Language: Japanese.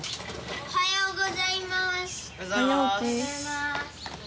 おはようございます。